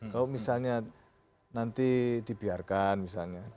kalau misalnya nanti dibiarkan misalnya